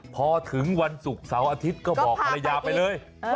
พอถึงวันศุกร์เสาร์อาทิตย์ก็บอกภรรยาไปเลย